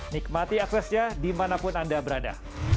nikmati aksesnya dimanapun anda berada